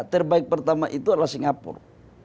terbaik pertama itu adalah singapura